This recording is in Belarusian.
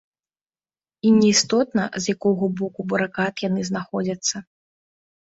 І не істотна, з якога боку барыкад яны знаходзяцца.